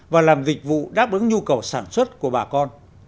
và làm dịch vụ đáp ứng nhu cầu sản xuất của bà con